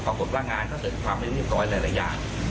ปรากฏว่างานก็เสร็จความเป็นเรียบร้อยหลายอย่าง